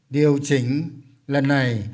điều chỉnh lần này